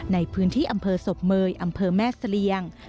ในพื้นที่อำเภอศพเมย์อำเภอแม่เสลียง